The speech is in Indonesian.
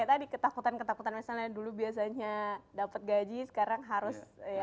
ya tadi ketakutan ketakutan misalnya dulu biasanya dapat gaji sekarang harus ya